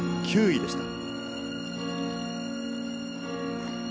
９位でした。